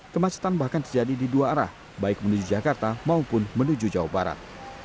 kemacetan bahkan terjadi di dua arah baik menuju jakarta maupun menuju jawa barat